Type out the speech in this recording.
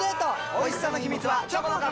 おいしさの秘密はチョコの壁！